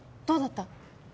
どうだった？